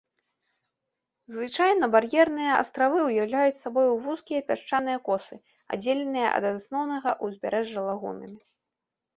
Звычайна бар'ерныя астравы ўяўляюць сабою вузкія пясчаныя косы, аддзеленыя ад асноўнага ўзбярэжжа лагунамі.